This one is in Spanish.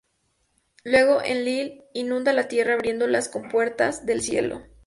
Luego Enlil inunda la Tierra abriendo las compuertas del cielo.